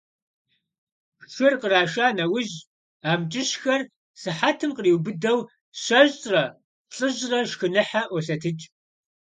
Шыр къраша нэужь, амкӀыщхэр сыхьэтым къриубыдэу щэщӏрэ-плӏыщӏрэ шхыныхьэ ӀуолъэтыкӀ.